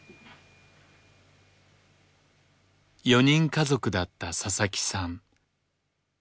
４人家族だった佐々木さん。